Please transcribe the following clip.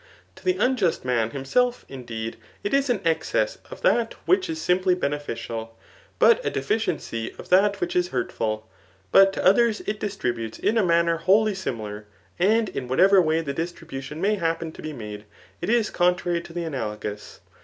To the unjust man hinaself, In^ deed, it is an excess of that which is simply henefidaJ, but a deficiency of that which is hurtful ; but to odiers it distributes in a manner wholly similar ; and in what ever way the distrft>ution may happen to be made, it is contrary to the analogous.